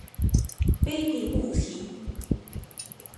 卑鄙無恥